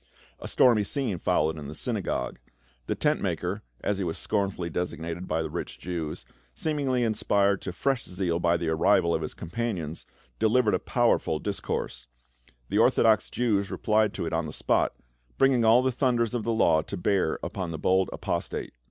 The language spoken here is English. A stormy scene followed in the syna gogue. The tent maker — as he was scornfully desig nated by the rich Jews — seemingly inspired to fresh zeal by the arrival of his companions, delivered a powerful discourse ; the orthodox Jews replied to it on the spot, bringing all the thunders of the law to bear upon the bold apostate.